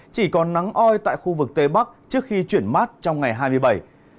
chỉ còn nắng oi tại khu vực tây bắc trước khi chuyển mát trong ngày hai mươi bảy